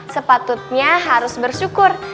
sepatutnya harus bersyukur